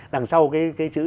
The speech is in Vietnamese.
đằng sau cái chữ